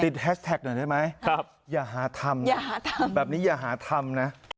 ติดแฮชแท็กหน่อยได้ไหมอย่าหาธรรมแบบนี้อย่าหาธรรมนะครับ